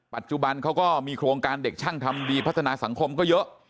ปัจจุบันเขาก็มีโครงการเด็กช่างทำดีพัฒนาสังคมก็เยอะ